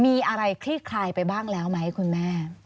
มีอะไรคลี่คลายไปบ้างแล้วไหมคุณแม่